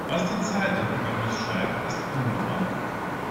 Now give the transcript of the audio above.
Was die Zeitung über mich schreibt, ist unwahr.